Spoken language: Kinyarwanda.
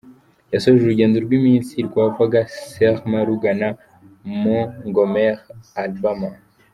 yasoje urugendo rw’iminsi rwavaga Selma rugana Montgomery, Alabama.